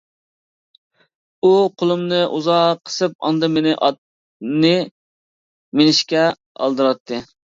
ئۇ قولۇمنى ئۇزاق قىسىپ، ئاندىن مېنى ئاتنى مىنىشكە ئالدىراتتى.